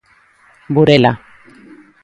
Burela.